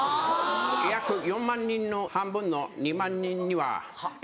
約４万人の半分の２万人にはえ